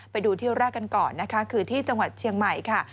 ไปดูเที่ยวแรกกันก่อนนะคะคือที่จังหวัดเชียงใหม่ค่ะ